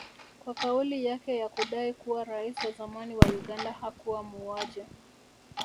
kwa kauli yake ya kudai kuwa rais wa zamani wa Uganda hakuwa muuaji